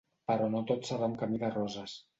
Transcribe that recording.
Però no tot serà un camí de roses.